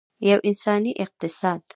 یو انساني اقتصاد.